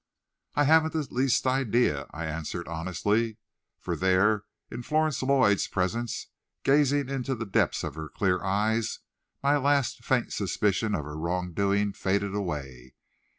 "I haven't the least idea," I answered honestly, for there, in Florence Lloyd's presence, gazing into the depths of her clear eyes, my last, faint suspicion of her wrong doing faded away.